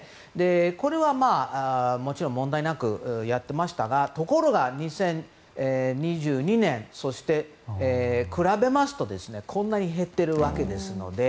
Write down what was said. これは、もちろん問題なくやっていましたが２０２２年と比べますとこんなに減っているわけです。